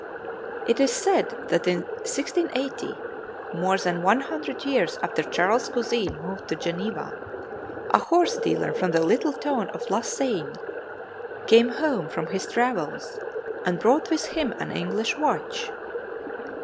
It is said that in 1680, more than one hundred years after Charles Cusin moved to Geneva, a horse dealer from the little town of La Sagne, came home from his travels and brought with him an English watch.